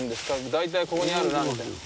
大体ここにあるなみたいのは。